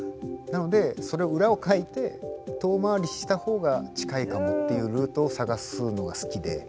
なのでその裏をかいて遠回りした方が近いかもっていうルートを探すのが好きで。